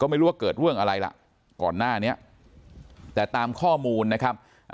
ไม่รู้ว่าเกิดเรื่องอะไรล่ะก่อนหน้านี้แต่ตามข้อมูลนะครับ